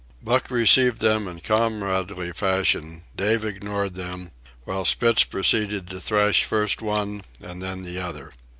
Buck received them in comradely fashion, Dave ignored them, while Spitz proceeded to thrash first one and then the other.